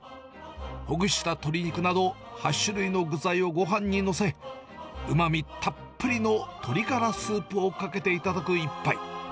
ほぐした鶏肉など８種類の具材をごはんに載せ、うまみたっぷりの鶏ガラスープをかけて頂く一杯。